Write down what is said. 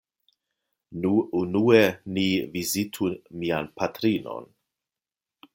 Nu, unue ni vizitu mian patrinon.